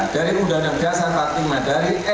dari udana biasa parting madari